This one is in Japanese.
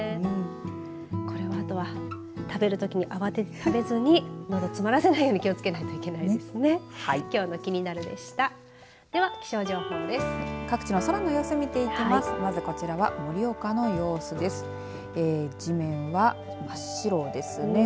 これを、あとは食べるときに慌てて食べずにのどに詰まらせないように気をつけなきゃいけないですね。